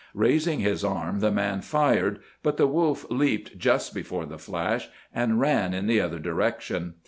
Raising his arm the man fired, but the wolf leaped just before the flash and ran in the other direction.